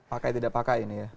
pakai tidak pakai ini ya